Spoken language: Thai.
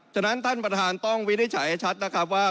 ฉะนั้นท่านประธานต้องวินิจฉัยให้ชัดนะครับว่า